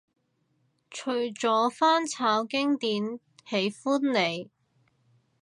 除咗翻炒經典喜歡你